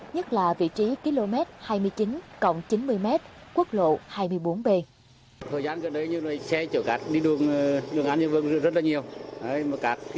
nhất là vị trí km hai mươi chín cộng chín mươi m quốc lộ hai mươi bốn b